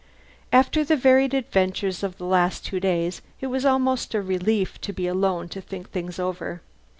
After the varied adventures of the last two days it was almost a relief to be alone to think things over.